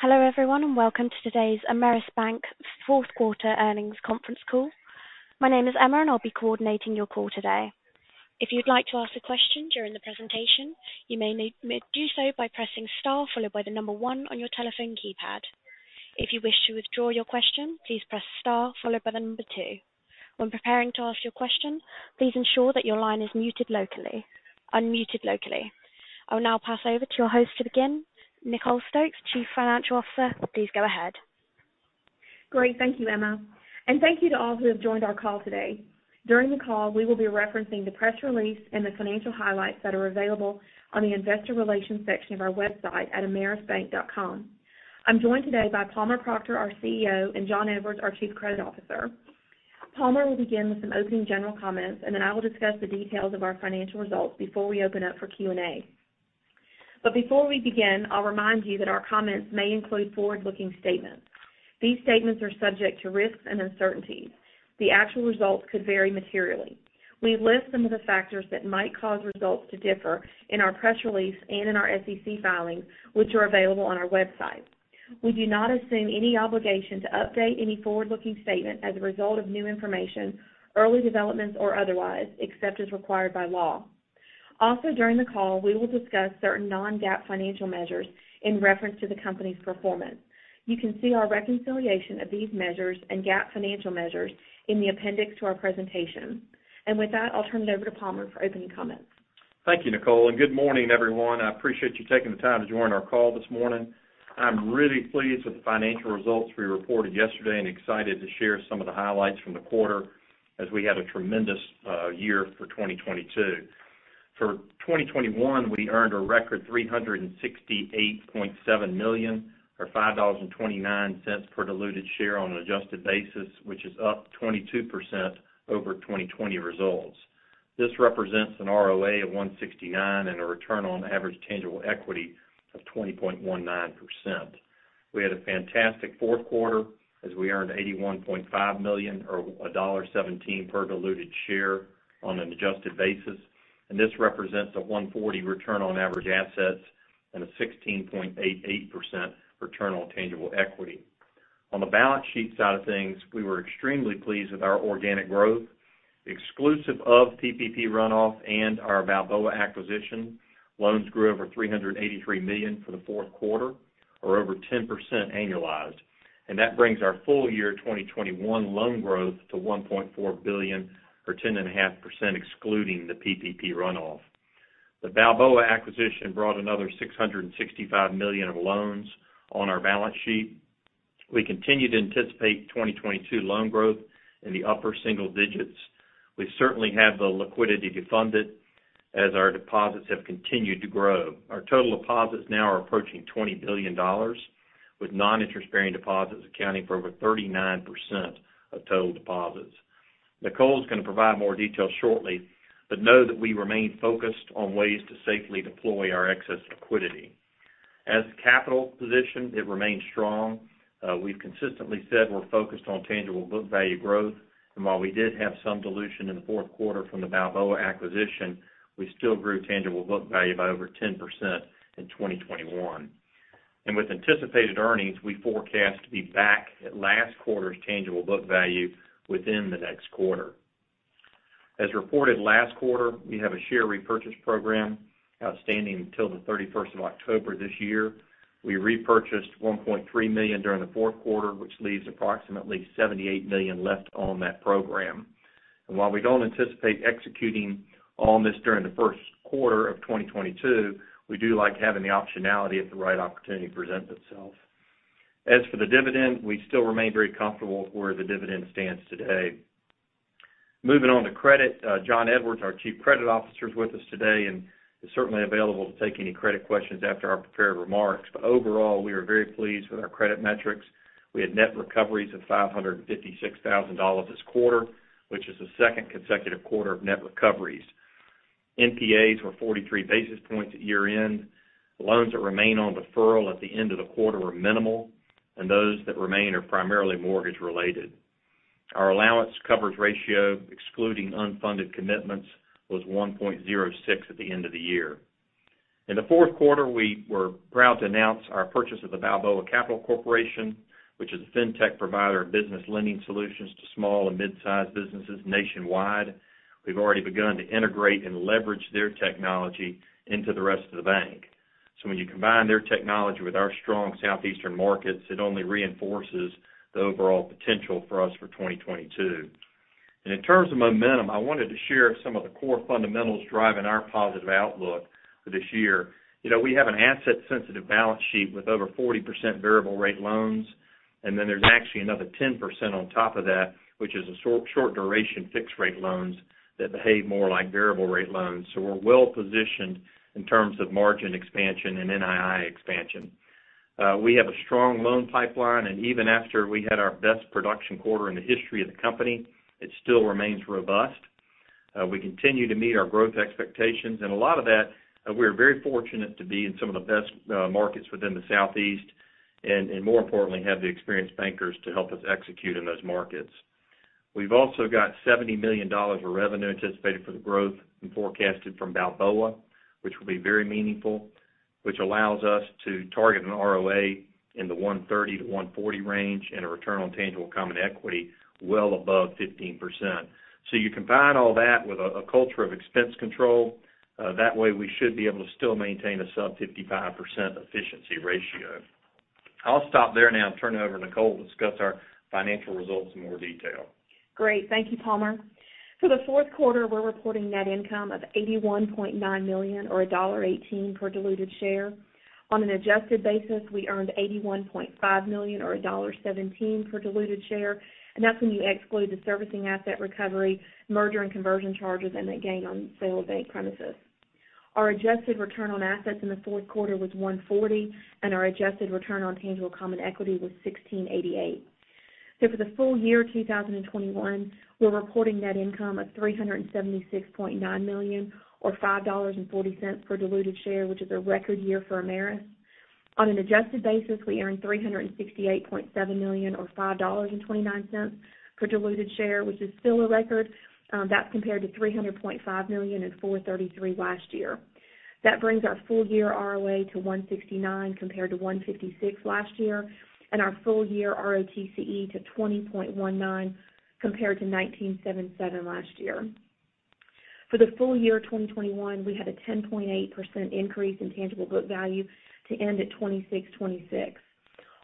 Hello, everyone, and welcome to today's Ameris Bank fourth quarter earnings conference call. My name is Emma, and I'll be coordinating your call today. If you'd like to ask a question during the presentation, you may do so by pressing star followed by one on your telephone keypad. If you wish to withdraw your question, please press star followed by two. When preparing to ask your question, please ensure that your line is unmuted locally. I will now pass over to your host to begin, Nicole Stokes, Chief Financial Officer. Please go ahead. Great. Thank you, Emma, and thank you to all who have joined our call today. During the call, we will be referencing the press release and the financial highlights that are available on the investor relations section of our website at amerisbank.com. I'm joined today by Palmer Proctor, our CEO, and Jon Edwards, our Chief Credit Officer. Palmer will begin with some opening general comments, and then I will discuss the details of our financial results before we open up for Q&A. Before we begin, I'll remind you that our comments may include forward-looking statements. These statements are subject to risks and uncertainties. The actual results could vary materially. We list some of the factors that might cause results to differ in our press release and in our SEC filings, which are available on our website. We do not assume any obligation to update any forward-looking statement as a result of new information, early developments, or otherwise, except as required by law. Also, during the call, we will discuss certain non-GAAP financial measures in reference to the company's performance. You can see our reconciliation of these measures and GAAP financial measures in the appendix to our presentation. With that, I'll turn it over to Palmer for opening comments. Thank you, Nicole, and good morning, everyone. I appreciate you taking the time to join our call this morning. I'm really pleased with the financial results we reported yesterday and excited to share some of the highlights from the quarter as we had a tremendous year for 2022. For 2021, we earned a record $368.7 million or $5.29 per diluted share on an adjusted basis, which is up 22% over 2020 results. This represents an ROA of %1.69 and a return on average tangible equity of 20.19%. We had a fantastic fourth quarter as we earned $81.5 million or $1.17 per diluted share on an adjusted basis, and this represents a %1.40 return on average assets and a 16.88% return on tangible equity. On the balance sheet side of things, we were extremely pleased with our organic growth, exclusive of PPP runoff and our Balboa acquisition. Loans grew over $383 million for the fourth quarter or over 10% annualized. That brings our full year 2021 loan growth to $1.4 billion or 10.5%, excluding the PPP runoff. The Balboa acquisition brought another $665 million of loans on our balance sheet. We continue to anticipate 2022 loan growth in the upper single digits. We certainly have the liquidity to fund it as our deposits have continued to grow. Our total deposits now are approaching $20 billion, with non-interest-bearing deposits accounting for over 39% of total deposits. Nicole is going to provide more detail shortly, but know that we remain focused on ways to safely deploy our excess liquidity. Our capital position remains strong. We've consistently said we're focused on tangible book value growth, and while we did have some dilution in the fourth quarter from the Balboa acquisition, we still grew tangible book value by over 10% in 2021. With anticipated earnings, we forecast to be back at last quarter's tangible book value within the next quarter. As reported last quarter, we have a share repurchase program outstanding until the 31st of October this year. We repurchased 1.3 million during the fourth quarter, which leaves approximately 78 million left on that program. While we don't anticipate executing on this during the first quarter of 2022, we do like having the optionality if the right opportunity presents itself. As for the dividend, we still remain very comfortable with where the dividend stands today. Moving on to credit, Jon Edwards, our Chief Credit Officer, is with us today and is certainly available to take any credit questions after our prepared remarks. Overall, we are very pleased with our credit metrics. We had net recoveries of $556,000 this quarter, which is the second consecutive quarter of net recoveries. NPAs were 43 basis points at year-end. Loans that remain on deferral at the end of the quarter were minimal, and those that remain are primarily mortgage-related. Our allowance coverage ratio, excluding unfunded commitments, was %1.06 at the end of the year. In the fourth quarter, we were proud to announce our purchase of the Balboa Capital Corporation, which is a fintech provider of business lending solutions to small and mid-sized businesses nationwide. We've already begun to integrate and leverage their technology into the rest of the bank. When you combine their technology with our strong southeastern markets, it only reinforces the overall potential for us for 2022. In terms of momentum, I wanted to share some of the core fundamentals driving our positive outlook for this year. You know, we have an asset sensitive balance sheet with over 40% variable rate loans, and then there's actually another 10% on top of that, which is a short duration fixed rate loans that behave more like variable rate loans. We're well-positioned in terms of margin expansion and NII expansion. We have a strong loan pipeline, and even after we had our best production quarter in the history of the company, it still remains robust. We continue to meet our growth expectations, and a lot of that, we're very fortunate to be in some of the best markets within the Southeast and more importantly, have the experienced bankers to help us execute in those markets. We've also got $70 million of revenue anticipated for the growth and forecasted from Balboa, which will be very meaningful, which allows us to target an ROA in the 1.30%-1.40% range and a return on tangible common equity well above 15%. You combine all that with a culture of expense control, that way we should be able to still maintain a sub 55% efficiency ratio. I'll stop there now and turn it over to Nicole to discuss our financial results in more detail. Great. Thank you, Palmer. For the fourth quarter, we're reporting net income of $81.9 million or $1.18 per diluted share. On an adjusted basis, we earned $81.5 million or $1.17 per diluted share, and that's when you exclude the servicing asset recovery, merger and conversion charges, and the gain on sale of bank premises. Our adjusted return on assets in the fourth quarter was 1.40%, and our adjusted return on tangible common equity was 16.88%. For the full year 2021, we're reporting net income of $376.9 million or $5.40 per diluted share, which is a record year for Ameris. On an adjusted basis, we earned $368.7 million or $5.29 per diluted share, which is still a record. That's compared to $300.5 million and $433 million last year. That brings our full year ROA to 1.69% compared to 1.56% last year, and our full year ROTCE to 20.19% compared to 19.77% last year. For the full year 2021, we had a 10.8% increase in tangible book value to end at $26.26.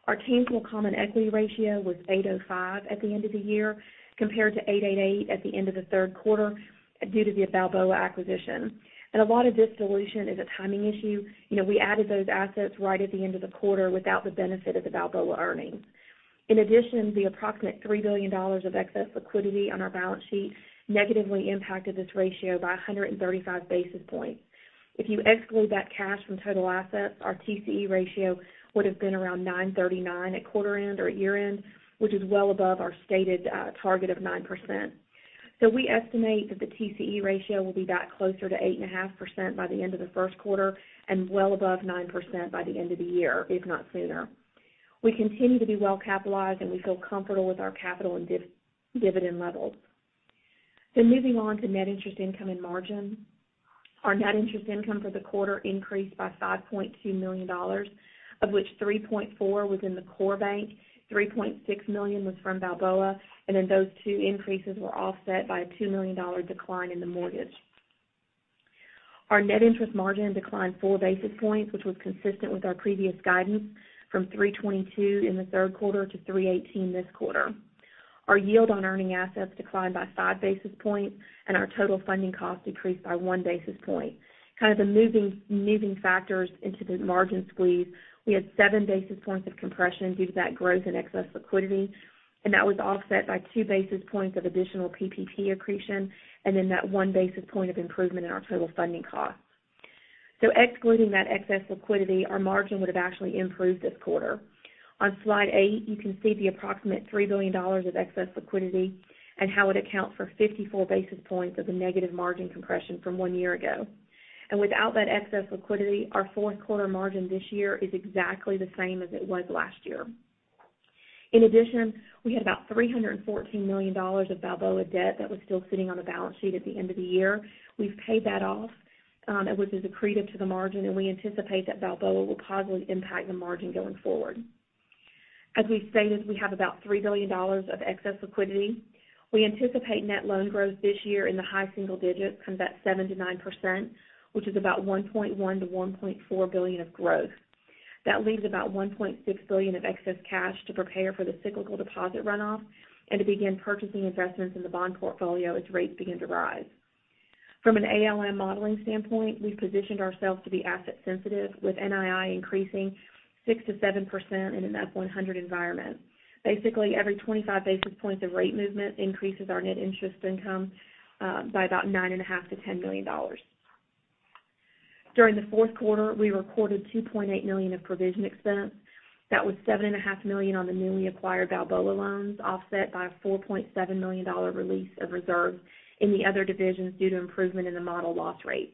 Our tangible common equity ratio was 8.05% at the end of the year, compared to 8.88% at the end of the third quarter due to the Balboa acquisition. A lot of this dilution is a timing issue. You know, we added those assets right at the end of the quarter without the benefit of the Balboa earnings. In addition, the approximate $3 billion of excess liquidity on our balance sheet negatively impacted this ratio by 135 basis points. If you exclude that cash from total assets, our TCE ratio would have been around %9.39 at quarter end or year-end, which is well above our stated target of 9%. We estimate that the TCE ratio will be back closer to 8.5% by the end of the first quarter and well above 9% by the end of the year, if not sooner. We continue to be well capitalized, and we feel comfortable with our capital and dividend levels. Moving on to net interest income and margin. Our net interest income for the quarter increased by $5.2 million, of which $3.4 million was in the core bank, $3.6 million was from Balboa, and then those two increases were offset by a $2 million decline in the mortgage. Our net interest margin declined 4 basis points, which was consistent with our previous guidance from 3.22% in the third quarter to 3.18% this quarter. Our yield on earning assets declined by 5 basis points, and our total funding cost decreased by 1 basis point. Kind of the moving factors into the margin squeeze, we had 7 basis points of compression due to that growth in excess liquidity, and that was offset by 2 basis points of additional PPP accretion and then that 1 basis point of improvement in our total funding cost. Excluding that excess liquidity, our margin would have actually improved this quarter. On slide eight, you can see the approximate $3 billion of excess liquidity and how it accounts for 54 basis points of the negative margin compression from one year ago. Without that excess liquidity, our fourth quarter margin this year is exactly the same as it was last year. In addition, we had about $314 million of Balboa debt that was still sitting on the balance sheet at the end of the year. We've paid that off, and which is accreted to the margin, and we anticipate that Balboa will positively impact the margin going forward. As we've stated, we have about $3 billion of excess liquidity. We anticipate net loan growth this year in the high single digits from that 7%-9%, which is about $1.1 billion-$1.4 billion of growth. That leaves about $1.6 billion of excess cash to prepare for the cyclical deposit runoff and to begin purchasing investments in the bond portfolio as rates begin to rise. From an ALM modeling standpoint, we've positioned ourselves to be asset sensitive, with NII increasing 6%-7% in an up 100 environment. Basically, every 25 basis points of rate movement increases our net interest income by about $9.5 million-$10 million. During the fourth quarter, we recorded $2.8 million of provision expense. That was $7.5 million on the newly acquired Balboa loans, offset by a $4.7 million release of reserves in the other divisions due to improvement in the model loss rates.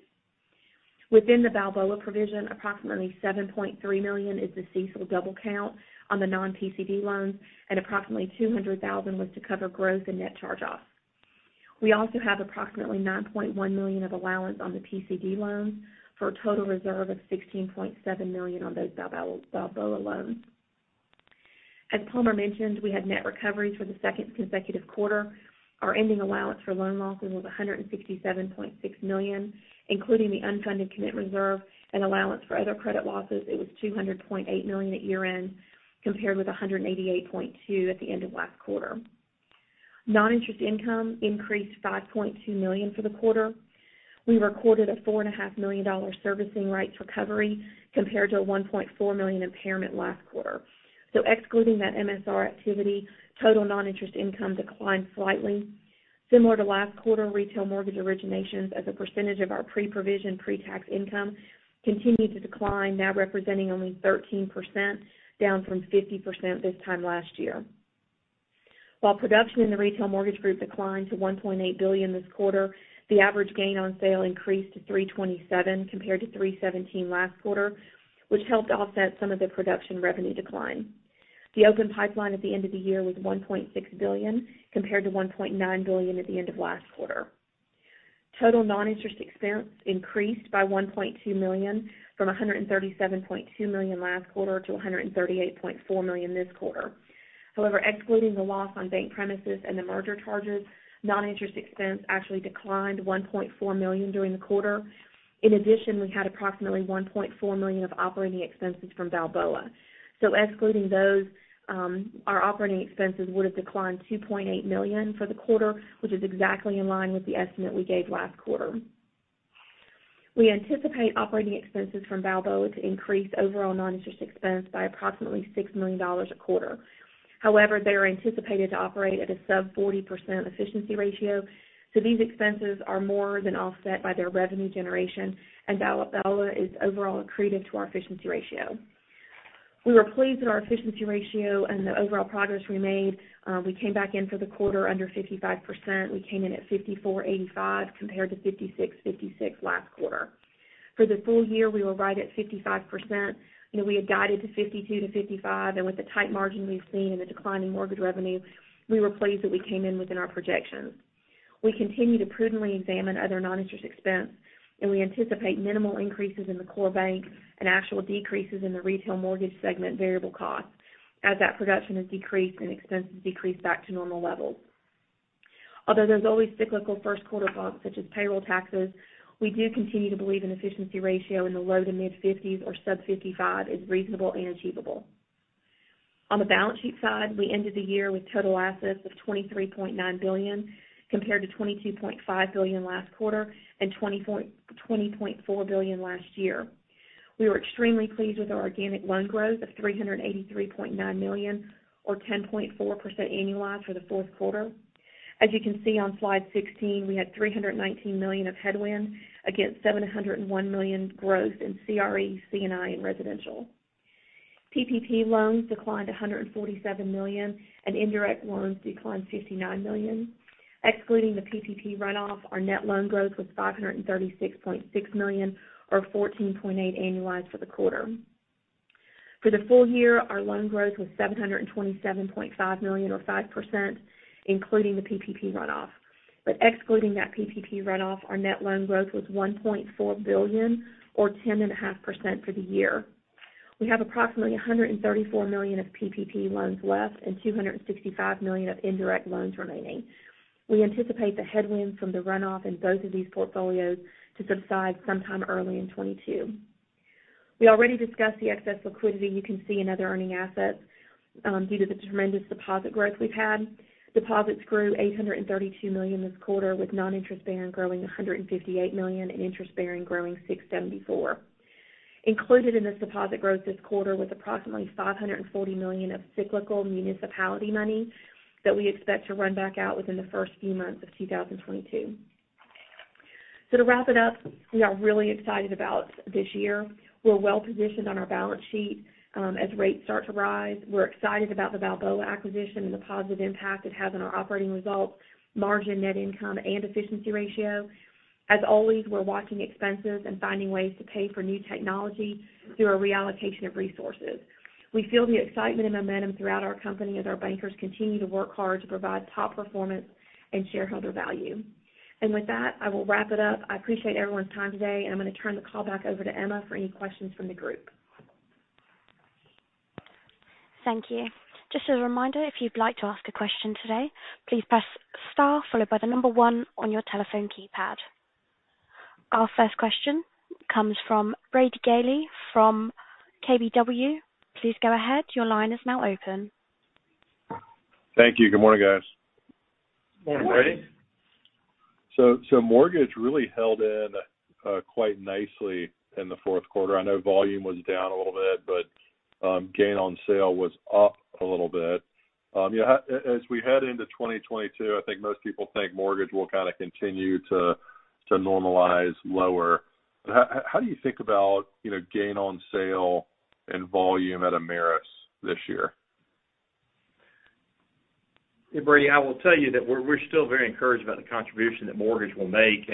Within the Balboa provision, approximately $7.3 million is the CECL double count on the non-PCD loans, and approximately $200,000 was to cover growth in net charge-offs. We also have approximately $9.1 million of allowance on the PCD loans for a total reserve of $16.7 million on those Balboa loans. As Palmer mentioned, we had net recoveries for the second consecutive quarter. Our ending allowance for loan losses was $167.6 million, including the unfunded commit reserve and allowance for other credit losses. It was $200.8 million at year-end, compared with $188.2 million at the end of last quarter. Noninterest income increased $5.2 million for the quarter. We recorded a $4.5 million servicing rights recovery compared to a $1.4 million impairment last quarter. Excluding that MSR activity, total noninterest income declined slightly. Similar to last quarter, retail mortgage originations as a percentage of our pre-provision, pre-tax income continued to decline, now representing only 13%, down from 50% this time last year. While production in the retail mortgage group declined to $1.8 billion this quarter, the average gain on sale increased to $327 million compared to $317 million last quarter, which helped offset some of the production revenue decline. The open pipeline at the end of the year was $1.6 billion, compared to $1.9 billion at the end of last quarter. Total non-interest expense increased by $1.2 million from $137.2 million last quarter to $138.4 million this quarter. However, excluding the loss on bank premises and the merger charges, non-interest expense actually declined $1.4 million during the quarter. In addition, we had approximately $1.4 million of operating expenses from Balboa. Excluding those, our operating expenses would have declined $2.8 million for the quarter, which is exactly in line with the estimate we gave last quarter. We anticipate operating expenses from Balboa to increase overall non-interest expense by approximately $6 million a quarter. However, they are anticipated to operate at a sub 40% efficiency ratio, so these expenses are more than offset by their revenue generation, and Balboa is overall accretive to our efficiency ratio. We were pleased with our efficiency ratio and the overall progress we made. We came back in for the quarter under 55%. We came in at 54.85%, compared to 56.56% last quarter. For the full year, we were right at 55%, and we had guided to 52%-55%, and with the tight margin we've seen in the declining mortgage revenue, we were pleased that we came in within our projections. We continue to prudently examine other non-interest expense, and we anticipate minimal increases in the core bank and actual decreases in the retail mortgage segment variable costs as that production has decreased and expenses decreased back to normal levels. Although there's always cyclical first quarter bumps such as payroll taxes, we do continue to believe in efficiency ratio in the low to mid-50s or sub-55% is reasonable and achievable. On the balance sheet side, we ended the year with total assets of $23.9 billion, compared to $22.5 billion last quarter and $20.4 billion last year. We were extremely pleased with our organic loan growth of $383.9 million or 10.4% annualized for the fourth quarter. As you can see on slide 16, we had $319 million of headwind against $701 million growth in CRE, C&I, and residential. PPP loans declined $147 million, and indirect loans declined $59 million. Excluding the PPP runoff, our net loan growth was $536.6 million or 14.8% annualized for the quarter. For the full year, our loan growth was $727.5 million or 5%, including the PPP runoff. Excluding that PPP runoff, our net loan growth was $1.4 billion or 10.5% for the year. We have approximately $134 million of PPP loans left and $265 million of indirect loans remaining. We anticipate the headwind from the runoff in both of these portfolios to subside sometime early in 2022. We already discussed the excess liquidity you can see in other earning assets due to the tremendous deposit growth we've had. Deposits grew $832 million this quarter, with non-interest bearing growing $158 million and interest bearing growing $674 million. Included in this deposit growth this quarter was approximately $540 million of cyclical municipality money that we expect to run back out within the first few months of 2022. To wrap it up, we are really excited about this year. We're well positioned on our balance sheet as rates start to rise. We're excited about the Balboa acquisition and the positive impact it has on our operating results, margin, net income, and efficiency ratio. As always, we're watching expenses and finding ways to pay for new technology through a reallocation of resources. We feel the excitement and momentum throughout our company as our bankers continue to work hard to provide top performance and shareholder value. With that, I will wrap it up. I appreciate everyone's time today, and I'm going to turn the call back over to Emma for any questions from the group. Thank you. Just as a reminder, if you'd like to ask a question today, please press star followed by the one on your telephone keypad. Our first question comes from Brady Gailey from KBW. Please go ahead. Your line is now open. Thank you. Good morning, guys. Good morning. Good morning. Mortgage really held in quite nicely in the fourth quarter. I know volume was down a little bit, but gain on sale was up a little bit. You know, as we head into 2022, I think most people think mortgage will kind of continue to normalize lower. How do you think about, you know, gain on sale and volume at Ameris this year? Hey, Brady, I will tell you that we're still very encouraged about the contribution that mortgage will make.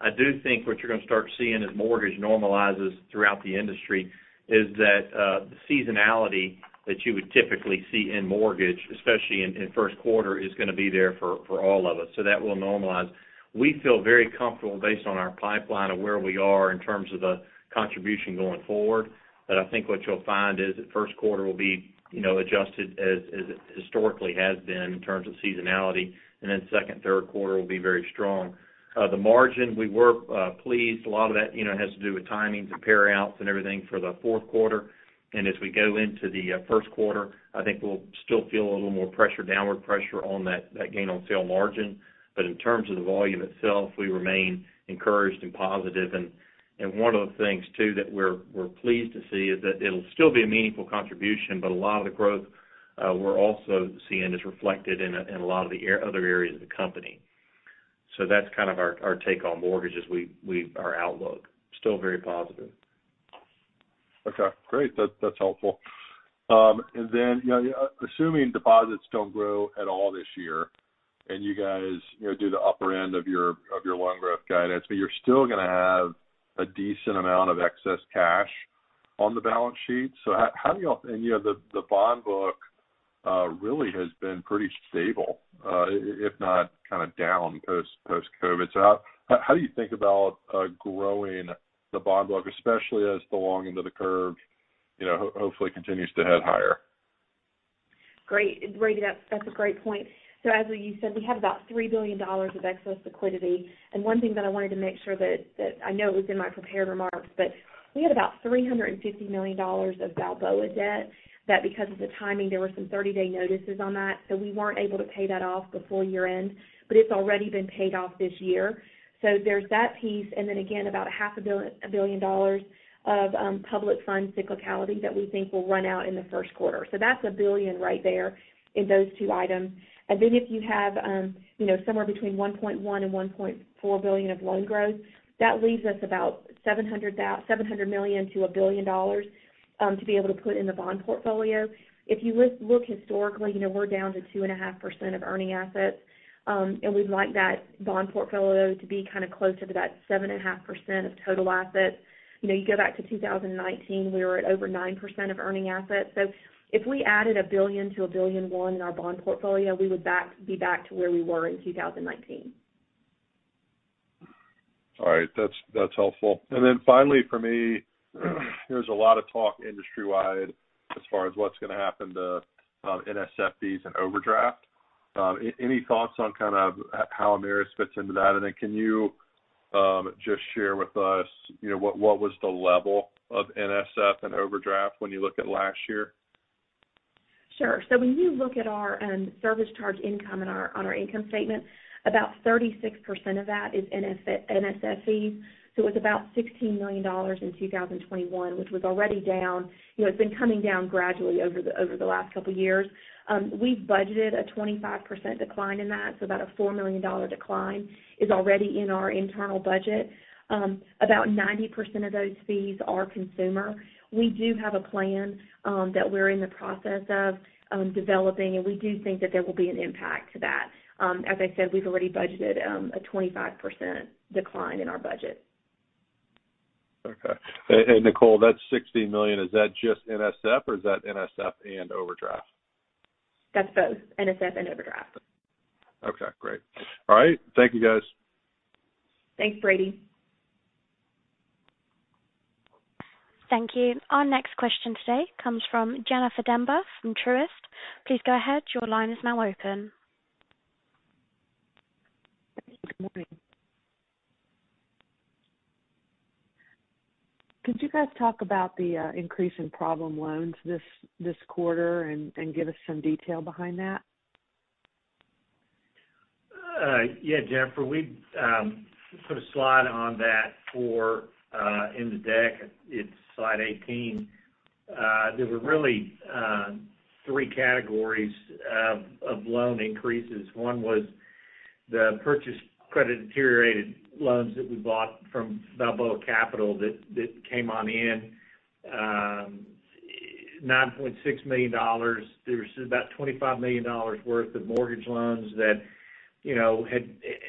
I do think what you're going to start seeing as mortgage normalizes throughout the industry is that seasonality that you would typically see in mortgage, especially in first quarter, is gonna be there for all of us. That will normalize. We feel very comfortable based on our pipeline of where we are in terms of the contribution going forward. I think what you'll find is that first quarter will be, you know, adjusted as it historically has been in terms of seasonality. Then second, third quarter will be very strong. The margin, we were pleased. A lot of that, you know, has to do with timings and payoffs and everything for the fourth quarter. As we go into the first quarter, I think we'll still feel a little more pressure, downward pressure on that gain on sale margin. But in terms of the volume itself, we remain encouraged and positive. One of the things too that we're pleased to see is that it'll still be a meaningful contribution, but a lot of the growth we're also seeing is reflected in a lot of the other areas of the company. So that's kind of our take on mortgages. Our outlook still very positive. Okay, great. That's helpful. You know, assuming deposits don't grow at all this year and you guys do the upper end of your loan growth guidance, but you're still gonna have a decent amount of excess cash on the balance sheet. How do y'all, and you know, the bond book really has been pretty stable, if not kind of down post-COVID. How do you think about growing the bond book, especially as the long end of the curve you know, hopefully continues to head higher? Great. Brady, that's a great point. As you said, we have about $3 billion of excess liquidity. One thing that I wanted to make sure that I know it was in my prepared remarks, but we had about $350 million of Balboa debt that because of the timing, there were some thirty day notices on that. We weren't able to pay that off before year-end, but it's already been paid off this year. There's that piece. Then again, about $0.5 billion Of public fund cyclicality that we think will run out in the first quarter. That's a billion right there in those two items. Then if you have, you know, somewhere between $1.1 billion and $1.4 billion of loan growth, that leaves us about $700 million-$1 billion to be able to put in the bond portfolio. If you look historically, you know, we're down to 2.5% of earning assets. We'd like that bond portfolio to be kind of closer to that 7.5% of total assets. You know, you go back to 2019, we were at over 9% of earning assets. If we added $1 billion-$1.1 billion in our bond portfolio, we would be back to where we were in 2019. All right. That's helpful. Finally for me, there's a lot of talk industry wide as far as what's going to happen to NSFs and overdraft. Any thoughts on kind of how Ameris fits into that? Can you just share with us, you know, what was the level of NSF and overdraft when you look at last year? Sure. When you look at our service charge income on our income statement, about 36% of that is NSF fees. It was about $16 million in 2021, which was already down. You know, it's been coming down gradually over the last couple years. We've budgeted a 25% decline in that, so about a $4 million decline is already in our internal budget. About 90% of those fees are consumer. We do have a plan that we're in the process of developing, and we do think that there will be an impact to that. As I said, we've already budgeted a 25% decline in our budget. Okay. Nicole, that $16 million, is that just NSF or is that NSF and overdraft? That's both NSF and overdraft. Okay, great. All right. Thank you, guys. Thanks, Brady. Thank you. Our next question today comes from Jennifer Demba from Truist. Please go ahead. Your line is now open. Good morning. Could you guys talk about the increase in problem loans this quarter and give us some detail behind that? Yeah, Jennifer. We put a slide on that for in the deck. It's slide 18. There were really three categories of loan increases. One was the purchase credit deteriorated loans that we bought from Balboa Capital that came on in $9.6 million. There's about $25 million worth of mortgage loans that you know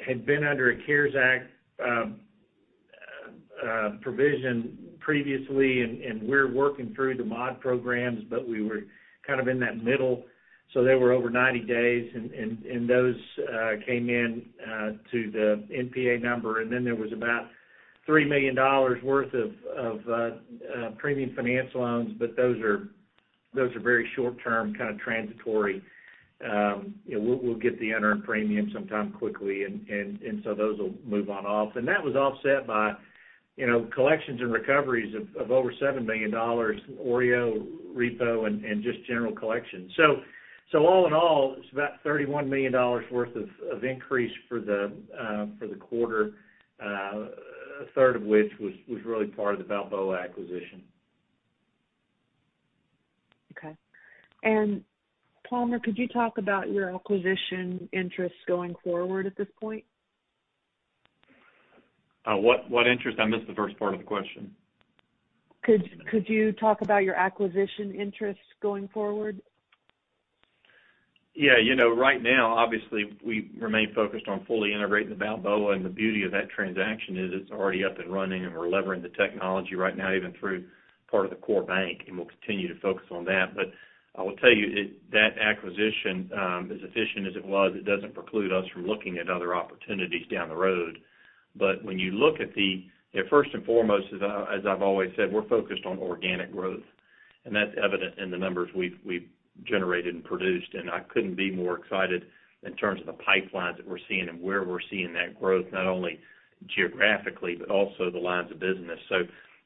had been under a CARES Act provision previously, and we're working through the mod programs, but we were kind of in that middle, so they were over 90 days. Those came in to the NPA number. Then there was about $3 million worth of premium finance loans. But those are very short term, kind of transitory. We'll get the unearned premium sometime quickly. Those will move on off. That was offset by, you know, collections and recoveries of over $7 million, OREO, repo, and just general collections. All in all, it's about $31 million worth of increase for the quarter, a third of which was really part of the Balboa acquisition. Okay. Palmer, could you talk about your acquisition interest going forward at this point? What interest? I missed the first part of the question. Could you talk about your acquisition interest going forward? Yeah. You know, right now, obviously, we remain focused on fully integrating the Balboa, and the beauty of that transaction is it's already up and running, and we're levering the technology right now, even through part of the core bank, and we'll continue to focus on that. I will tell you that acquisition, as efficient as it was, it doesn't preclude us from looking at other opportunities down the road. When you look at first and foremost, as I've always said, we're focused on organic growth, and that's evident in the numbers we've generated and produced. I couldn't be more excited in terms of the pipelines that we're seeing and where we're seeing that growth, not only geographically, but also the lines of business.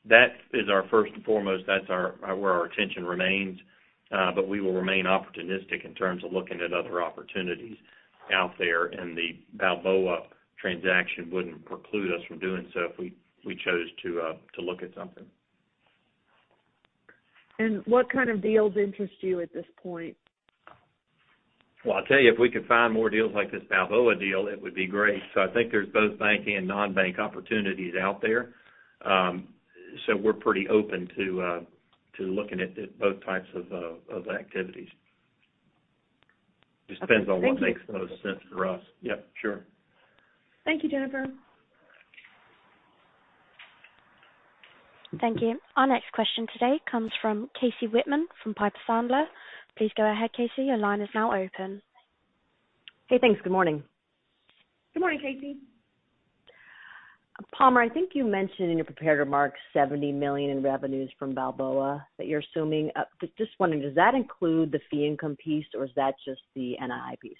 That is our first and foremost. That's where our attention remains. We will remain opportunistic in terms of looking at other opportunities out there. The Balboa transaction wouldn't preclude us from doing so if we chose to look at something. What kind of deals interest you at this point? Well, I'll tell you, if we could find more deals like this Balboa deal, it would be great. I think there's both bank and non-bank opportunities out there. We're pretty open to looking at both types of activities. Okay. Thank you. Just depends on what makes the most sense for us. Yeah, sure. Thank you, Jennifer. Thank you. Our next question today comes from Casey Whitman from Piper Sandler. Please go ahead, Casey, your line is now open. Hey, thanks. Good morning. Good morning, Casey. Palmer, I think you mentioned in your prepared remarks $70 million in revenues from Balboa that you're assuming. Just wondering, does that include the fee income piece or is that just the NII piece?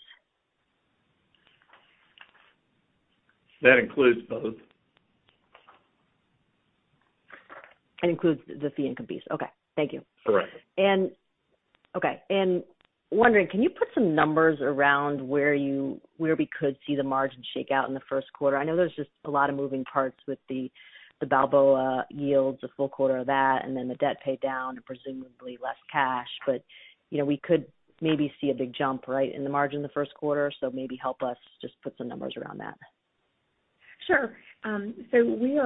That includes both. It includes the fee income piece. Okay. Thank you. Correct. Wondering, can you put some numbers around where we could see the margin shake out in the first quarter? I know there's just a lot of moving parts with the Balboa yields, a full quarter of that, and then the debt pay down, presumably less cash. You know, we could maybe see a big jump, right, in the margin in the first quarter. Maybe help us just put some numbers around that. Sure. We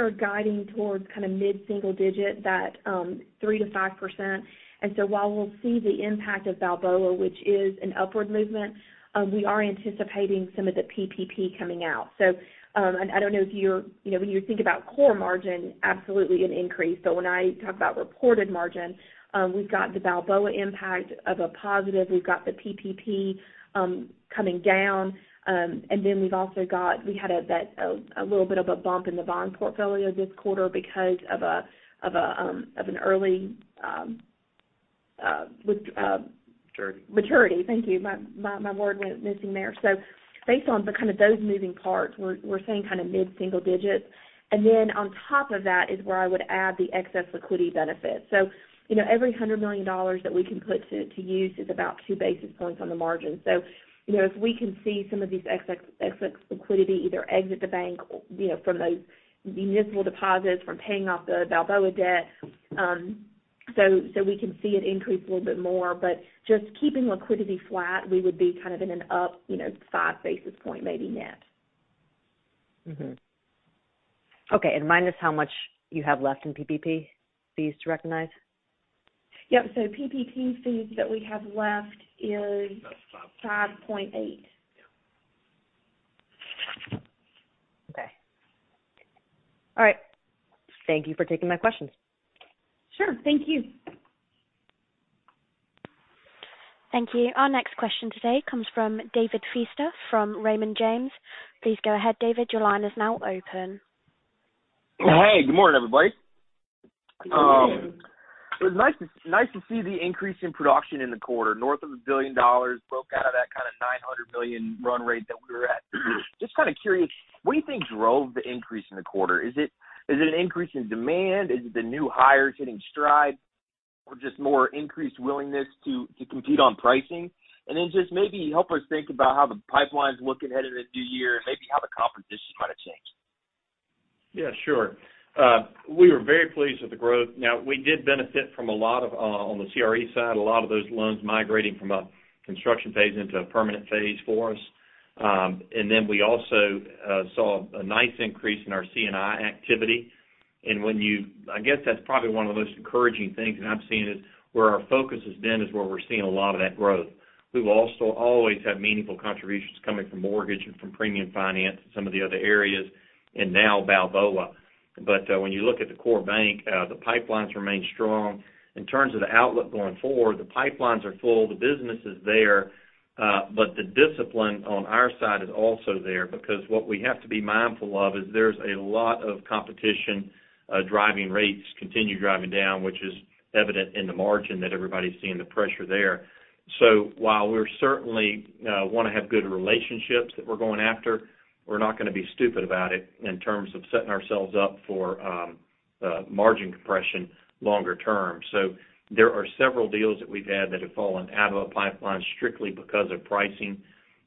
are guiding towards kind of mid-single digit, that 3%-5%. While we'll see the impact of Balboa, which is an upward movement, we are anticipating some of the PPP coming out. I don't know if you're you know when you think about core margin, absolutely an increase. When I talk about reported margin, we've got the Balboa impact of a positive. We've got the PPP coming down. We've also got a little bit of a bump in the bond portfolio this quarter because of an early with- Maturity. Maturity. Thank you. My word went missing there. Based on the kind of those moving parts, we're seeing kind of mid-single digits. On top of that is where I would add the excess liquidity benefit. You know, every $100 million that we can put to use is about 2 basis points on the margin. You know, if we can see some of these excess liquidity either exit the bank, you know, from those municipal deposits, from paying off the Balboa debt, so we can see it increase a little bit more. Just keeping liquidity flat, we would be kind of in an up, you know, 5 basis point maybe net. Okay, minus how much you have left in PPP fees to recognize? Yep. PPP fees that we have left is $5.8 million. Yeah. Okay. All right. Thank you for taking my questions. Sure. Thank you. Thank you. Our next question today comes from David Feaster from Raymond James. Please go ahead, David. Your line is now open. Hey, good morning, everybody. Good morning. It was nice to see the increase in production in the quarter, north of $1 billion, broke out of that kind of $900 million run rate that we were at. Just kind of curious, what do you think drove the increase in the quarter? Is it an increase in demand? Is it the new hires hitting stride or just more increased willingness to compete on pricing? And then just maybe help us think about how the pipeline's looking headed into the new year and maybe how the competition might have changed. Yeah, sure. We were very pleased with the growth. Now, we did benefit from a lot of, on the CRE side, a lot of those loans migrating from a construction phase into a permanent phase for us. And then we also saw a nice increase in our C&I activity. I guess that's probably one of the most encouraging things, and I'm seeing it where our focus has been is where we're seeing a lot of that growth. We will also always have meaningful contributions coming from mortgage and from premium finance and some of the other areas, and now Balboa. When you look at the core bank, the pipelines remain strong. In terms of the outlook going forward, the pipelines are full, the business is there, but the discipline on our side is also there because what we have to be mindful of is there's a lot of competition driving rates continue driving down, which is evident in the margin that everybody's seeing the pressure there. While we're certainly wanna have good relationships that we're going after, we're not gonna be stupid about it in terms of setting ourselves up for margin compression longer term. There are several deals that we've had that have fallen out of a pipeline strictly because of pricing.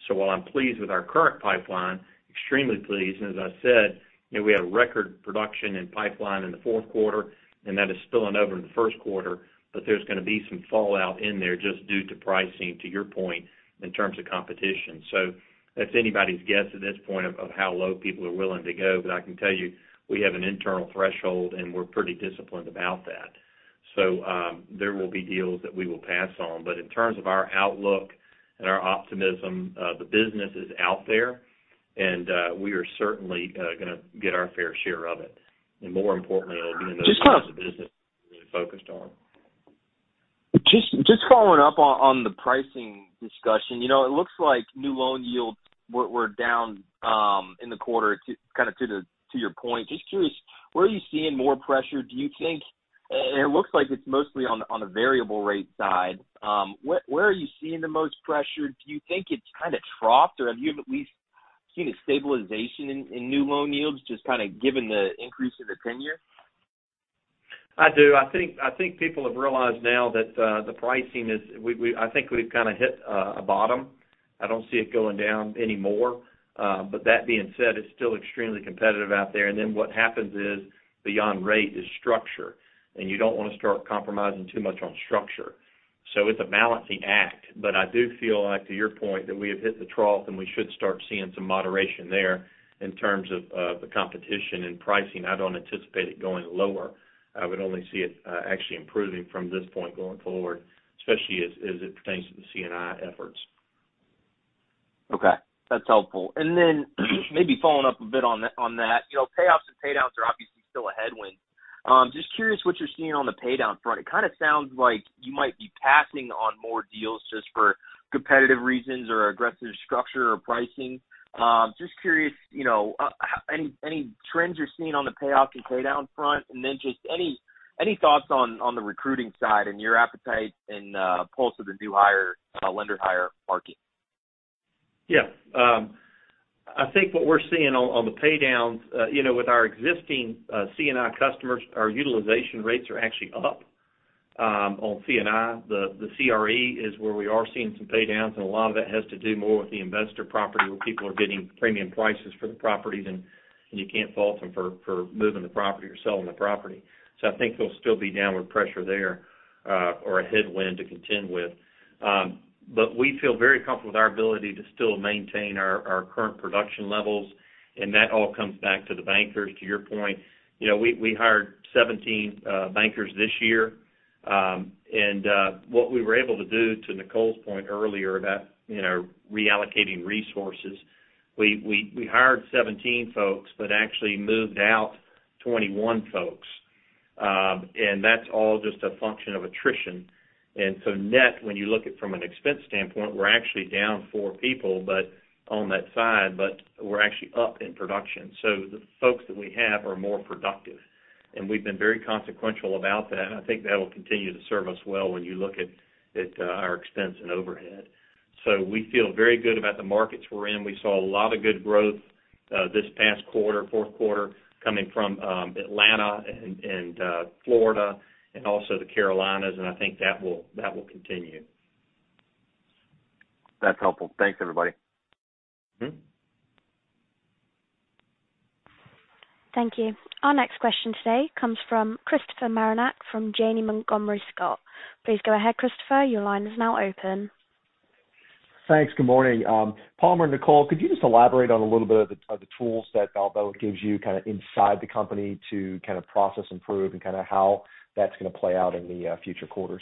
While I'm pleased with our current pipeline, extremely pleased, and as I said, you know, we had a record production and pipeline in the fourth quarter, and that is spilling over in the first quarter, but there's gonna be some fallout in there just due to pricing, to your point, in terms of competition. That's anybody's guess at this point of how low people are willing to go. But I can tell you, we have an internal threshold, and we're pretty disciplined about that. There will be deals that we will pass on. But in terms of our outlook and our optimism, the business is out there, and we are certainly gonna get our fair share of it. More importantly, being in those lines of business we're really focused on. Just following up on the pricing discussion. You know, it looks like new loan yields were down in the quarter to your point. Just curious, where are you seeing more pressure, do you think? It looks like it's mostly on the variable rate side. Where are you seeing the most pressure? Do you think it's kind of troughed or have you at least seen a stabilization in new loan yields, just kinda given the increase of the 10-year? I do. I think people have realized now that we've kind of hit a bottom. I don't see it going down any more. That being said, it's still extremely competitive out there. Then what happens is, beyond rate is structure, and you don't want to start compromising too much on structure. It's a balancing act. I do feel like, to your point, that we have hit the trough, and we should start seeing some moderation there in terms of the competition and pricing. I don't anticipate it going lower. I would only see it actually improving from this point going forward, especially as it pertains to the C&I efforts. Okay, that's helpful. Maybe following up a bit on that, you know, payoffs and pay downs are obviously still a headwind. Just curious what you're seeing on the pay down front. It kind of sounds like you might be passing on more deals just for competitive reasons or aggressive structure or pricing. Just curious, you know, any trends you're seeing on the payoff and pay down front? Just any thoughts on the recruiting side and your appetite and pulse of the new hire lender hire market. Yeah. I think what we're seeing on the pay downs, you know, with our existing C&I customers, our utilization rates are actually up on C&I. The CRE is where we are seeing some pay downs, and a lot of it has to do more with the investor property, where people are getting premium prices for the properties, and you can't fault them for moving the property or selling the property. I think there'll still be downward pressure there, or a headwind to contend with. We feel very comfortable with our ability to still maintain our current production levels, and that all comes back to the bankers. To your point, you know, we hired 17 bankers this year. What we were able to do, to Nicole's point earlier, about, you know, reallocating resources, we hired 17 folks, but actually moved out 21 folks. That's all just a function of attrition. Net, when you look at it from an expense standpoint, we're actually down four people, but on that side, but we're actually up in production. The folks that we have are more productive, and we've been very consequential about that, and I think that'll continue to serve us well when you look at our expense and overhead. We feel very good about the markets we're in. We saw a lot of good growth this past quarter, fourth quarter, coming from Atlanta and Florida and also the Carolinas, and I think that will continue. That's helpful. Thanks, everybody. Mm-hmm. Thank you. Our next question today comes from Christopher Marinac from Janney Montgomery Scott. Please go ahead, Christopher. Your line is now open. Thanks. Good morning. Palmer and Nicole, could you just elaborate on a little bit of the tools that Balboa gives you kind of inside the company to kind of process improve and kind of how that's gonna play out in the future quarters?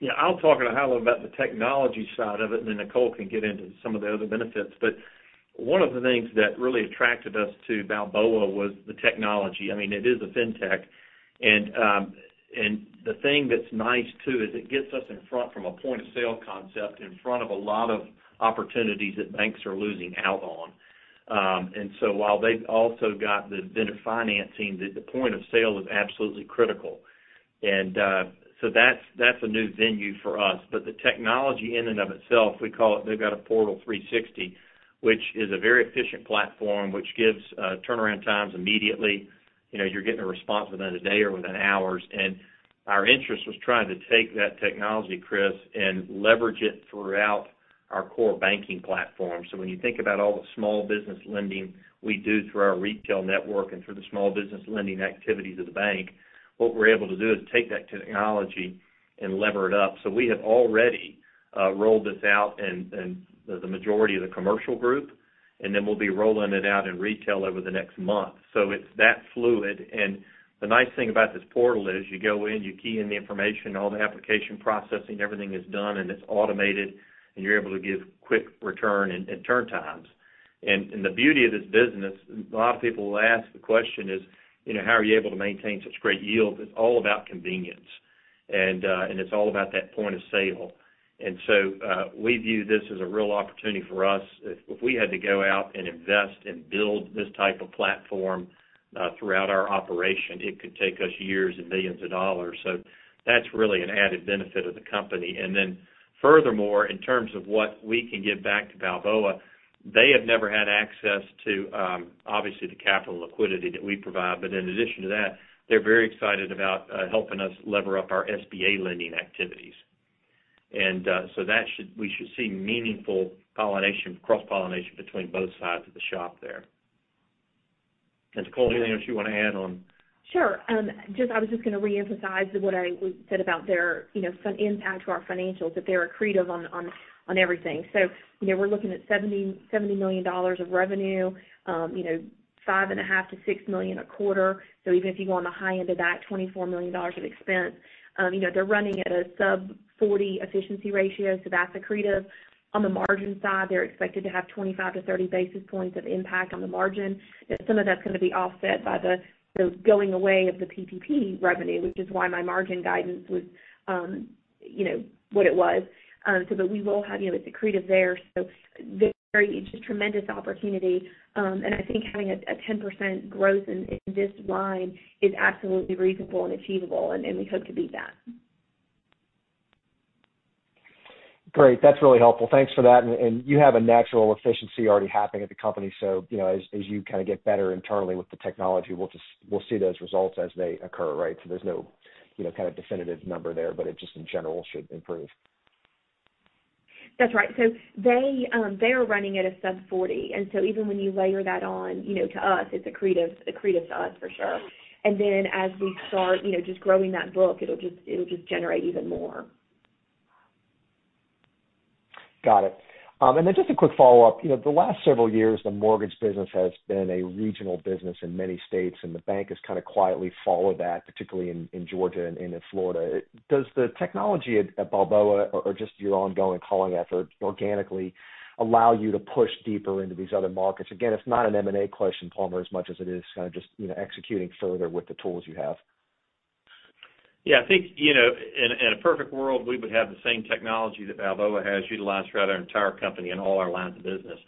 Yeah, I'll talk a little about the technology side of it, and then Nicole can get into some of the other benefits. One of the things that really attracted us to Balboa was the technology. I mean, it is a fintech, and the thing that's nice too is it gets us in front from a point-of-sale concept, in front of a lot of opportunities that banks are losing out on. While they've also got the vendor financing, the point of sale is absolutely critical. That's a new venue for us. The technology in and of itself, we call it, they've got a Portal 360, which is a very efficient platform, which gives turnaround times immediately. You know, you're getting a response within a day or within hours. Our interest was trying to take that technology, Chris, and leverage it throughout our core banking platform. When you think about all the small business lending we do through our retail network and through the small business lending activities of the bank, what we're able to do is take that technology and lever it up. We have already rolled this out in the majority of the commercial group, and then we'll be rolling it out in retail over the next month. It's that fluid. The nice thing about this portal is you go in, you key in the information, all the application processing, everything is done, and it's automated, and you're able to give quick return and turn times. The beauty of this business, a lot of people will ask the question is, you know, how are you able to maintain such great yields? It's all about convenience, and it's all about that point of sale. We view this as a real opportunity for us. If we had to go out and invest and build this type of platform throughout our operation, it could take us years and millions of dollars. That's really an added benefit of the company. Furthermore, in terms of what we can give back to Balboa, they have never had access to, obviously, the capital liquidity that we provide. In addition to that, they're very excited about helping us lever up our SBA lending activities. We should see meaningful pollination, cross-pollination between both sides of the shop there. Nicole, anything else you wanna add on? Sure. Just, I was just going to reemphasize what we said about their, you know, some impact to our financials, that they're accretive on everything. You know, we're looking at $70 million of revenue, you know, $5.5 million-$6 million a quarter. Even if you go on the high end of that, $24 million of expense, you know, they're running at a sub-40 efficiency ratio, so that's accretive. On the margin side, they're expected to have 25-30 basis points of impact on the margin, and some of that's going to be offset by the going away of the PPP revenue, which is why my margin guidance was, you know, what it was. But we will have, you know, it's accretive there, so very, just tremendous opportunity. I think having a 10% growth in this line is absolutely reasonable and achievable, and we hope to beat that. Great. That's really helpful. Thanks for that. You have a natural efficiency already happening at the company, so, you know, as you kind of get better internally with the technology, we'll just see those results as they occur, right? There's no, you know, kind of definitive number there, but it just in general should improve. That's right. They're running at a sub-40, and so even when you layer that on, you know, to us, it's accretive to us for sure. As we start, you know, just growing that book, it'll just generate even more. Got it. Then just a quick follow-up. You know, the last several years, the mortgage business has been a regional business in many states, and the bank has kind of quietly followed that, particularly in Georgia and in Florida. Does the technology at Balboa or just your ongoing calling effort organically allow you to push deeper into these other markets? Again, it's not an M&A question, Palmer, as much as it is kind of just, you know, executing further with the tools you have. Yeah, I think, you know, in a perfect world, we would have the same technology that Balboa has utilized throughout our entire company in all our lines of business.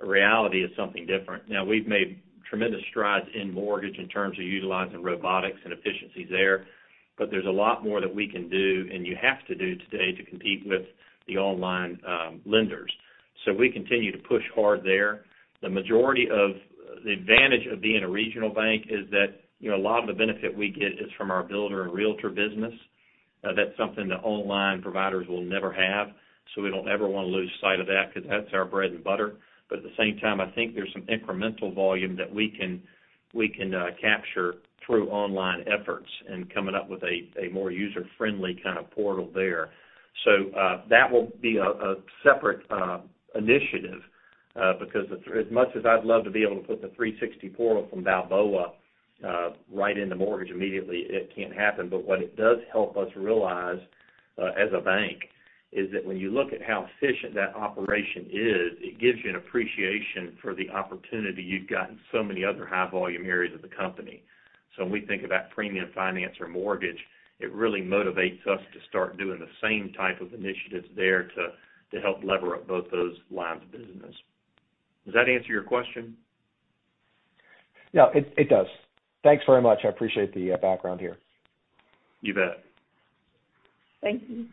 The reality is something different. Now, we've made tremendous strides in mortgage in terms of utilizing robotics and efficiencies there, but there's a lot more that we can do, and you have to do today to compete with the online lenders. We continue to push hard there. The majority of the advantage of being a regional bank is that, you know, a lot of the benefit we get is from our builder and realtor business. That's something the online providers will never have, so we don't ever want to lose sight of that because that's our bread and butter. At the same time, I think there's some incremental volume that we can capture through online efforts and coming up with a more user-friendly kind of portal there. That will be a separate initiative because as much as I'd love to be able to put the Portal 360 portal from Balboa Capital right into mortgage immediately, it can't happen. What it does help us realize as a bank is that when you look at how efficient that operation is, it gives you an appreciation for the opportunity you've got in so many other high volume areas of the company. When we think about premium finance or mortgage, it really motivates us to start doing the same type of initiatives there to help lever up both those lines of business. Does that answer your question? Yeah, it does. Thanks very much. I appreciate the background here. You bet. Thank you.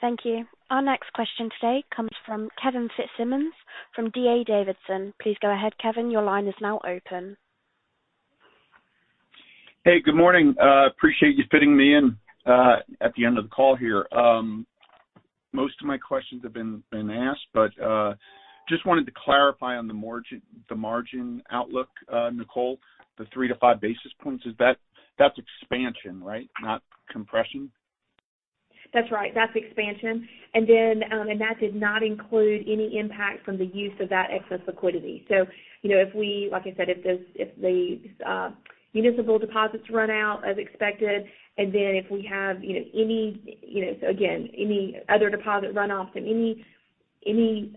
Thank you. Our next question today comes from Kevin Fitzsimmons from D.A. Davidson. Please go ahead, Kevin. Your line is now open. Hey, good morning. Appreciate you fitting me in at the end of the call here. Most of my questions have been asked, but just wanted to clarify on the margin, the margin outlook, Nicole, the 3-5 basis points, is that expansion, right? Not compression. That's right. That's expansion. That did not include any impact from the use of that excess liquidity. You know, like I said, if the municipal deposits run out as expected, and then if we have any other deposit runoff and any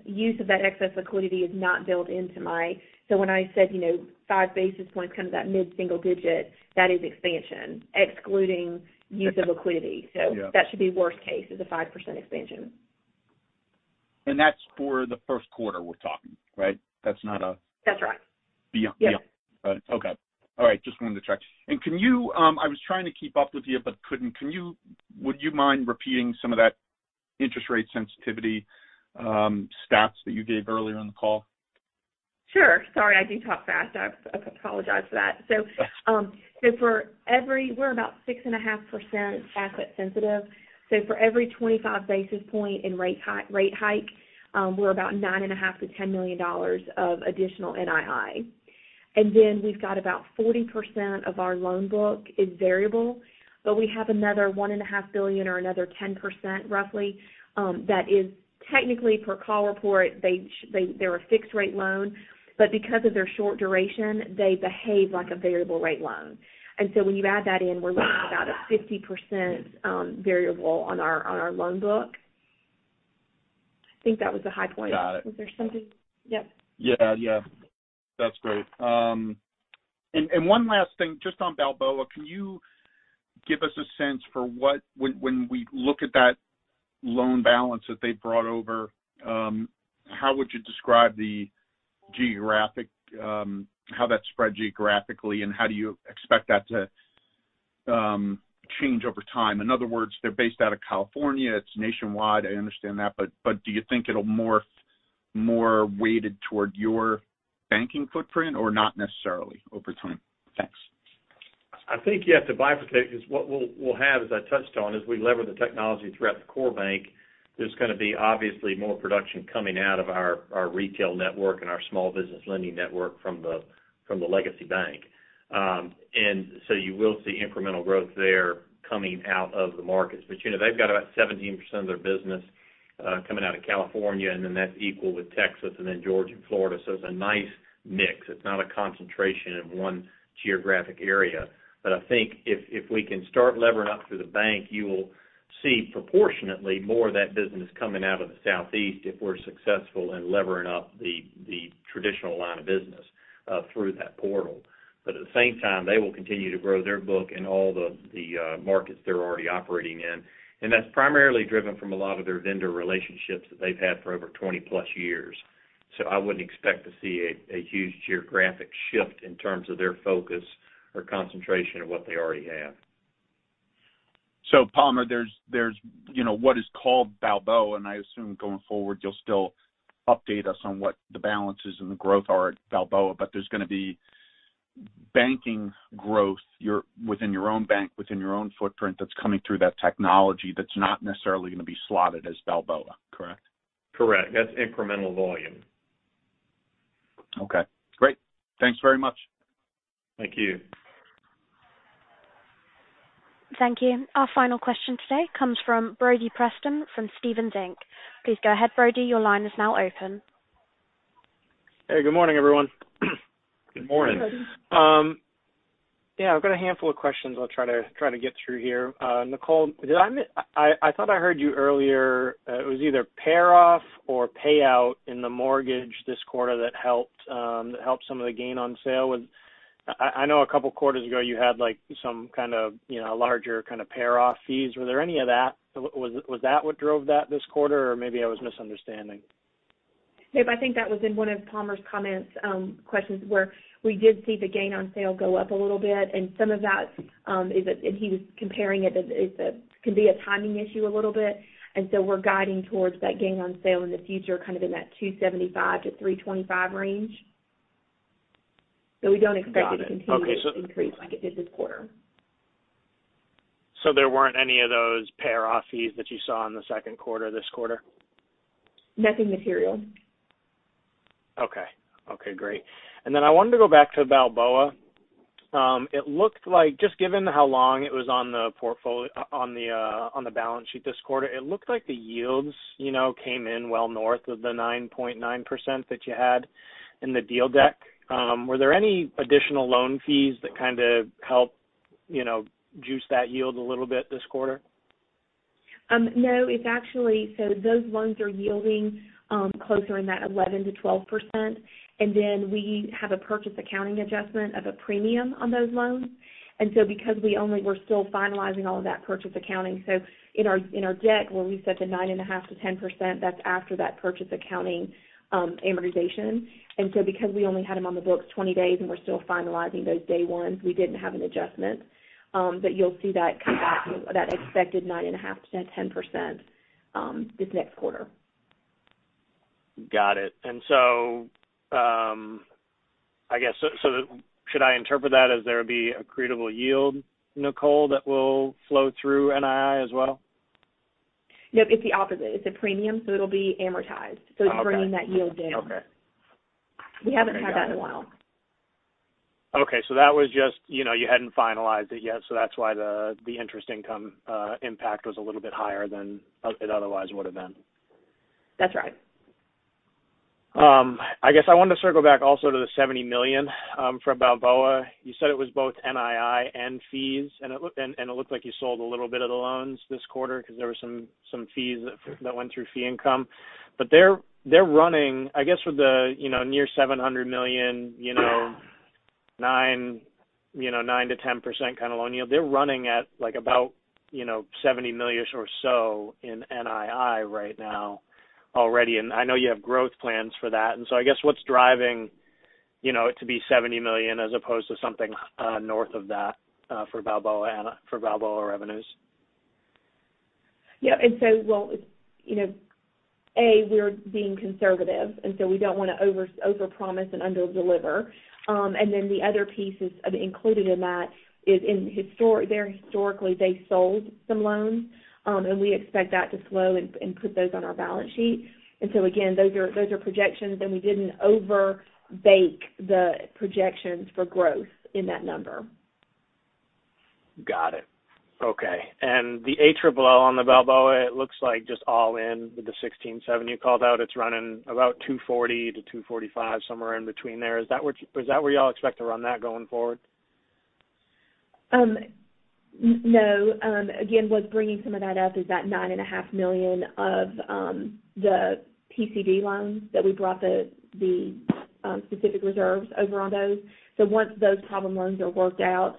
use of that excess liquidity is not built into my. When I said, you know, five basis points, kind of that mid-single digit, that is expansion, excluding use of liquidity. Yeah. That should be worst case is a 5% expansion. That's for the first quarter we're talking, right? That's not beyond? That's right. Okay. All right. Just wanted to check. I was trying to keep up with you, but couldn't. Would you mind repeating some of that interest rate sensitivity stats that you gave earlier on the call? Sure. Sorry, I do talk fast. I apologize for that. We're about 6.5% asset sensitive. For every 25 basis point rate hike, we're about $9.5 million-$10 million of additional NII. Then we've got about 40% of our loan book is variable, but we have another $1.5 billion or another 10% roughly that is technically per call report, they're a fixed rate loan, but because of their short duration, they behave like a variable rate loan. When you add that in, we're looking at about a 50% variable on our loan book. I think that was the high point. Got it. Was there something? Yep. Yeah, yeah. That's great. One last thing, just on Balboa, can you give us a sense for when we look at that loan balance that they brought over, how would you describe the geographic, how that spread geographically, and how do you expect that to change over time? In other words, they're based out of California, it's nationwide. I understand that, but do you think it'll more weighted toward your banking footprint or not necessarily over time? Thanks. I think you have to bifurcate because what we'll have, as I touched on, as we lever the technology throughout the core bank, there's gonna be obviously more production coming out of our retail network and our small business lending network from the legacy bank. You will see incremental growth there coming out of the markets. You know, they've got about 17% of their business coming out of California, and then that's equal with Texas and then Georgia and Florida. It's a nice mix. It's not a concentration in one geographic area. I think if we can start levering up through the bank, you will see proportionately more of that business coming out of the Southeast if we're successful in levering up the traditional line of business through that portal. At the same time, they will continue to grow their book in all the markets they're already operating in. That's primarily driven from a lot of their vendor relationships that they've had for over 20+ years. I wouldn't expect to see a huge geographic shift in terms of their focus or concentration of what they already have. Palmer, there's you know, what is called Balboa, and I assume going forward, you'll still update us on what the balances and the growth are at Balboa, but there's gonna be banking growth within your own bank, within your own footprint that's coming through that technology that's not necessarily gonna be slotted as Balboa, correct? Correct. That's incremental volume. Okay, great. Thanks very much. Thank you. Thank you. Our final question today comes from Brody Preston from Stephens Inc. Please go ahead, Brody. Your line is now open. Hey, good morning, everyone. Good morning. Yeah, I've got a handful of questions I'll try to get through here. Nicole, I thought I heard you earlier, it was either pay off or pay out in the mortgage this quarter that helped some of the gain on sale. I know a couple quarters ago, you had, like, some kind of, you know, larger kind of pay off fees. Were there any of that? Was that what drove that this quarter? Or maybe I was misunderstanding. Yep. I think that was in one of Palmer's comments, questions where we did see the gain on sale go up a little bit. Some of that is that he was comparing it as a timing issue a little bit. We're guiding towards that gain on sale in the future, kind of in that $275 million-$325 million range. We don't expect it to continue to increase like it did this quarter. There weren't any of those pay off fees that you saw in the second quarter this quarter? Nothing material. Okay. Okay, great. I wanted to go back to Balboa. It looked like, just given how long it was on the balance sheet this quarter, it looked like the yields, you know, came in well north of the 9.9% that you had in the deal deck. Were there any additional loan fees that kind of helped, you know, juice that yield a little bit this quarter? No. It's actually those loans are yielding closer to that 11%-12%. We have a purchase accounting adjustment of a premium on those loans. Because we only were still finalizing all of that purchase accounting, in our deck where we said 9.5%-10%, that's after that purchase accounting amortization. Because we only had them on the books 20 days and we're still finalizing those day ones, we didn't have an adjustment. You'll see that come back to that expected 9.5%-10% this next quarter. Got it. I guess so should I interpret that as there would be accretable yield, Nicole, that will flow through NII as well? No, it's the opposite. It's a premium, so it'll be amortized. Oh, okay. It's bringing that yield down. Okay. We haven't had that in a while. That was just, you know, you hadn't finalized it yet, so that's why the interest income impact was a little bit higher than it otherwise would have been. That's right. I guess I wanted to circle back also to the $70 million for Balboa. You said it was both NII and fees, and it looked like you sold a little bit of the loans this quarter because there were some fees that went through fee income. They're running, I guess, with the, you know, near $700 million, you know, 9%-10% kind of loan yield. They're running at, like, about, you know, $70 million or so in NII right now already. I know you have growth plans for that. I guess what's driving, you know, it to be $70 million as opposed to something north of that for Balboa revenues? Well, you know, A, we're being conservative, and so we don't wanna overpromise and underdeliver. Then the other piece is, also included in that is historically they sold some loans, and we expect that to slow and put those on our balance sheet. Again, those are projections, and we didn't overbake the projections for growth in that number. Got it. Okay. The ALLL on the Balboa, it looks like just all in with the $1,670 you called out. It's running about 2.40%-2.45%, somewhere in between there. Is that where you all expect to run that going forward? No. Again, what's bringing some of that up is that $9.5 million of the PCD loans that we brought the specific reserves over on those. Once those problem loans are worked out,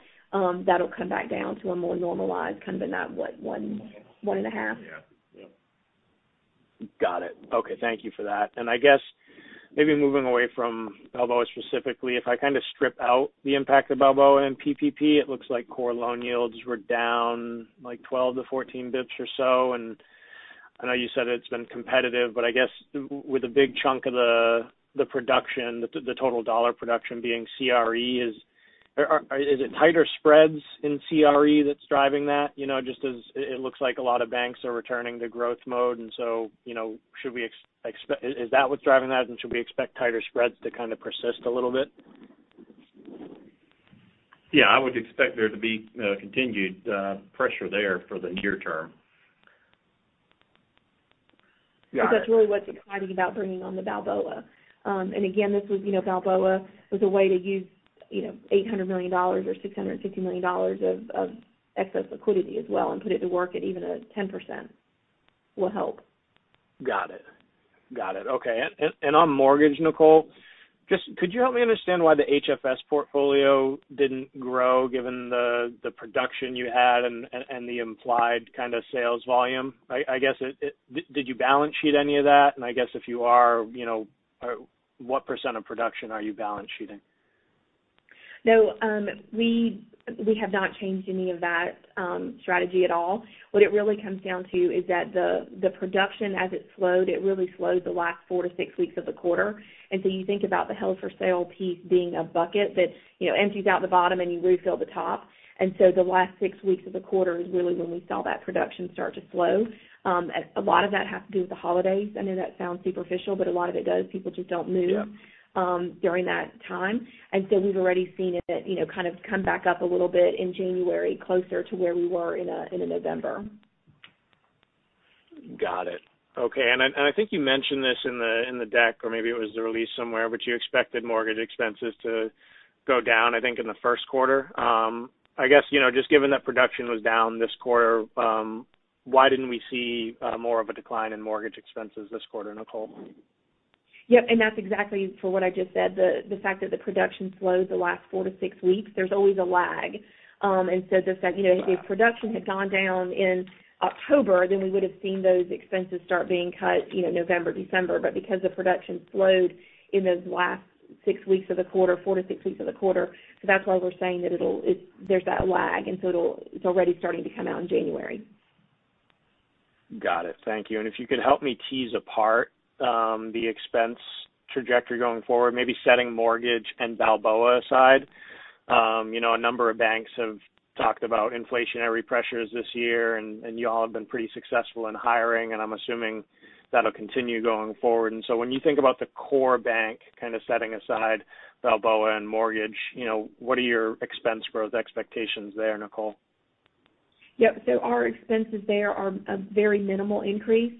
that'll come back down to a more normalized, kind of in that $1 million-$1.5 million? Yeah. Yeah. Got it. Okay, thank you for that. I guess maybe moving away from Balboa specifically, if I kind of strip out the impact of Balboa and PPP, it looks like core loan yields were down, like, 12-14 basis points or so, and I know you said it's been competitive. I guess with a big chunk of the production, the total dollar production being CRE is. Is it tighter spreads in CRE that's driving that? You know, just as it looks like a lot of banks are returning to growth mode, you know, should we expect. Is that what's driving that? Should we expect tighter spreads to kind of persist a little bit? Yeah, I would expect there to be continued pressure there for the near term. Yeah. Because that's really what's exciting about bringing on the Balboa. Again, this was, you know, Balboa was a way to use, you know, $800 million or $650 million of excess liquidity as well and put it to work at even 10% will help. Got it. Okay. On mortgage, Nicole, just could you help me understand why the HFS portfolio didn't grow given the production you had and the implied kind of sales volume? I guess. Did you balance sheet any of that? I guess if you are, you know, what % of production are you balance sheeting? No. We have not changed any of that strategy at all. What it really comes down to is that the production as it slowed, it really slowed the last four to six weeks of the quarter. You think about the held for sale piece being a bucket that, you know, empties out the bottom and you refill the top. The last six weeks of the quarter is really when we saw that production start to slow. A lot of that has to do with the holidays. I know that sounds superficial, but a lot of it does. People just don't move. Yeah. During that time. We've already seen it, you know, kind of come back up a little bit in January closer to where we were in November. Got it. Okay. I think you mentioned this in the deck, or maybe it was the release somewhere, but you expected mortgage expenses to go down, I think, in the first quarter. I guess, you know, just given that production was down this quarter, why didn't we see more of a decline in mortgage expenses this quarter, Nicole? Yep. That's exactly for what I just said, the fact that the production slowed the last four to six weeks. There's always a lag. Just that, you know, if production had gone down in October, then we would've seen those expenses start being cut, you know, November, December. Because the production slowed in those last six weeks of the quarter, four to six weeks of the quarter, that's why we're saying that there's that lag. It's already starting to come out in January. Got it. Thank you. If you could help me tease apart the expense trajectory going forward, maybe setting mortgage and Balboa aside. You know, a number of banks have talked about inflationary pressures this year and you all have been pretty successful in hiring, and I'm assuming that'll continue going forward. When you think about the core bank, kind of setting aside Balboa and mortgage, you know, what are your expense growth expectations there, Nicole? Yep. Our expenses there are a very minimal increase.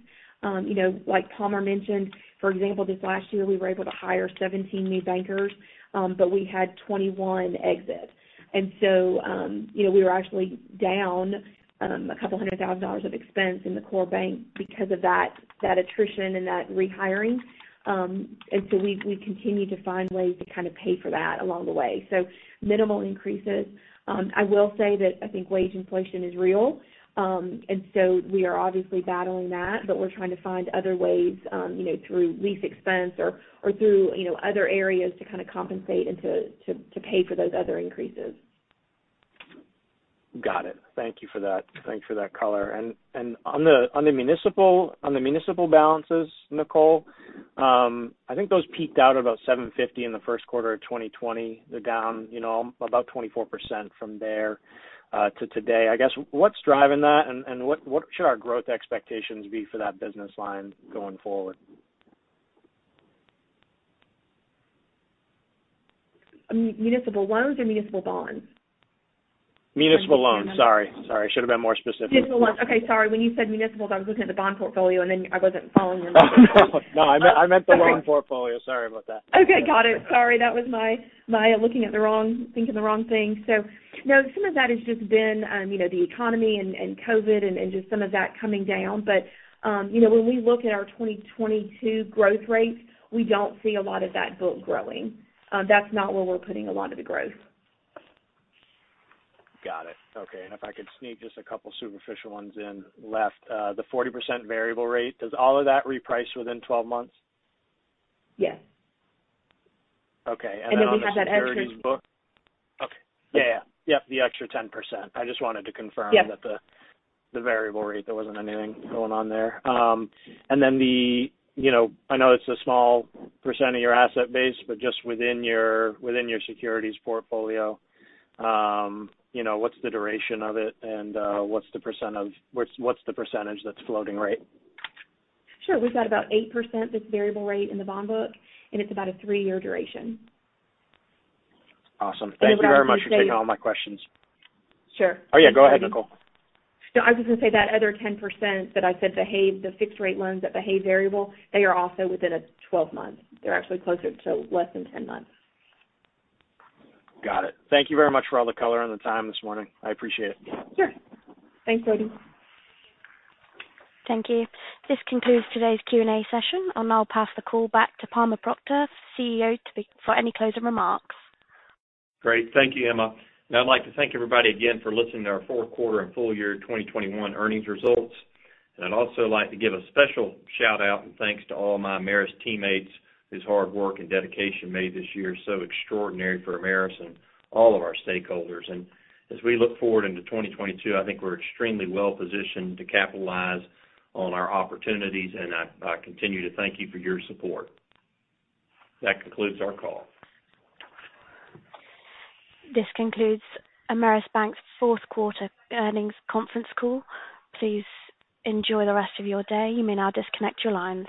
You know, like Palmer mentioned, for example, this last year we were able to hire 17 new bankers, but we had 21 exit. You know, we were actually down $200,000 of expense in the core bank because of that attrition and that rehiring. We continue to find ways to kind of pay for that along the way. Minimal increases. I will say that I think wage inflation is real. We are obviously battling that, but we're trying to find other ways, you know, through lease expense or through, you know, other areas to kinda compensate and to pay for those other increases. Got it. Thank you for that. Thanks for that color. On the municipal balances, Nicole, I think those peaked out about $750 in the first quarter of 2020. They're down, you know, about 24% from there to today. I guess what's driving that and what should our growth expectations be for that business line going forward? Municipal loans or municipal bonds? Municipal loans. Sorry. Should have been more specific. Municipal loans. Okay. Sorry. When you said municipals, I was looking at the bond portfolio, and then I wasn't following you. Oh, no. No, I meant the loan portfolio. Okay. Sorry about that. Okay. Got it. Sorry. That was my thinking the wrong thing. No, some of that has just been, you know, the economy and COVID and just some of that coming down. You know, when we look at our 2022 growth rates, we don't see a lot of that book growing. That's not where we're putting a lot of the growth. Got it. Okay. If I could sneak just a couple superficial ones in, left. The 40% variable rate, does all of that reprice within 12 months? Yes. Okay. We have that extra. On the securities book. Okay. Yeah, yeah. Yep, the extra 10%. I just wanted to confirm- Yep ...that the variable rate, there wasn't anything going on there. You know, I know it's a small percent of your asset base, but just within your securities portfolio, you know, what's the duration of it and what's the percentage that's floating rate? Sure. We've got about 8% that's variable rate in the bond book, and it's about a three-year duration. Awesome. I was gonna say. Thank you very much for taking all my questions. Sure. Oh, yeah. Go ahead, Nicole. No, I was gonna say that other 10% that I said behave the fixed rate loans that behave variable, they are also within a 12 month. They're actually closer to less than 10 months. Got it. Thank you very much for all the color and the time this morning. I appreciate it. Sure. Thanks, Brody. Thank you. This concludes today's Q&A session. I'll now pass the call back to Palmer Proctor, CEO, for any closing remarks. Great. Thank you, Emma. I'd like to thank everybody again for listening to our fourth quarter and full year 2021 earnings results. I'd also like to give a special shout-out and thanks to all my Ameris teammates whose hard work and dedication made this year so extraordinary for Ameris and all of our stakeholders. As we look forward into 2022, I think we're extremely well-positioned to capitalize on our opportunities, and I continue to thank you for your support. That concludes our call. This concludes Ameris Bank's fourth quarter earnings conference call. Please enjoy the rest of your day. You may now disconnect your lines.